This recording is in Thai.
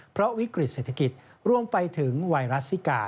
เพราะวิกฤตเศรษฐกิจรวมไปถึงไวรัสซิกา